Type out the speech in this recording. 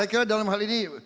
saya kira dalam hal ini